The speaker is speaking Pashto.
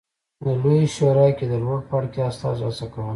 د لویې شورا کې د لوړ پاړکي استازو هڅه کوله